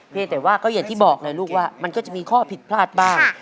แต่ว่าก็อย่างที่บอกเลยลูกว่ามันก็จะมีข้อผิดพลาดบ้าง